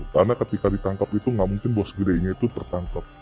karena ketika ditangkap itu nggak mungkin bos gedenya itu tertangkap